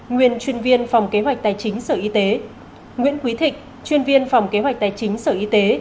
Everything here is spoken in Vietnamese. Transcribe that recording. nguyên chuyên viên phòng kế hoạch tài chính sở y tế nguyễn quý thịnh chuyên viên phòng kế hoạch tài chính sở y tế